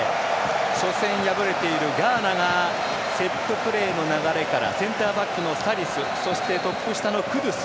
初戦、敗れているガーナがセットプレーの流れからセンターバックのサリスそしてトップ下のクドゥス。